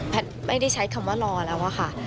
ไม่ได้ใช้คำว่ารอแล้วอะค่ะ